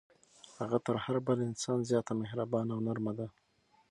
هغه تر هر بل انسان زیاته مهربانه او نرمه ده.